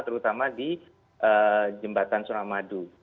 terutama di jembatan suramadu